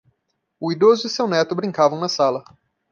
O idoso e seu neto brincavam na sala.